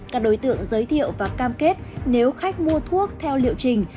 các đối tượng giới thiệu và cam kết nếu khách mua thuốc theo liệu trình